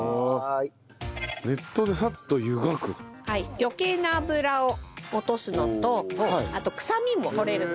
余計な脂を落とすのとあと臭みも取れるので。